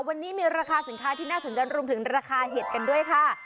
วันนี้มีราคาสินค้าที่น่าสนใจรวมถึงราคาเห็ดกันด้วยค่ะ